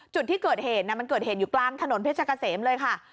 จุดที่เกิดเหตุมันเกิดเหตุอยู่กลางถนนเพชรกะเสมเลยค่ะ